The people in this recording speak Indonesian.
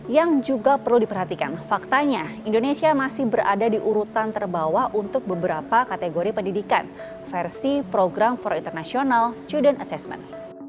yang juga perlu diperhatikan faktanya indonesia masih berada di urutan terbawah untuk beberapa kategori pendidikan versi program for international student assessment